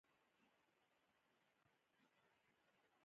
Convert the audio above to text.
سترګې او زړونه یې له روښانه سبا له هیلو ډک دي.